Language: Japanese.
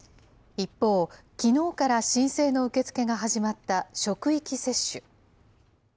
一方、きのうから申請の受け付けが始まった職域接種。